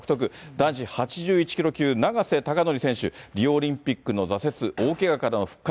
男子８１キロ級、永瀬貴規選手、リオオリンピックの挫折、大けがからの復活。